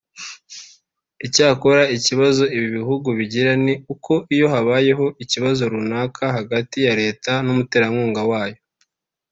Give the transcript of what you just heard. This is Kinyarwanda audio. Icyakora ikibazo ibi bihugu bigira ni uko iyo habayeho ikibazo runaka hagati ya leta n’umuterankunga wayo